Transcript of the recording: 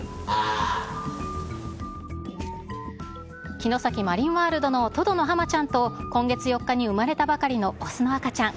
城崎マリンワールドのトドのハマちゃんと今月４日に生まれたばかりの雄の赤ちゃん。